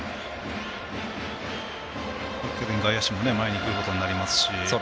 外野手も前に来ることになりますし。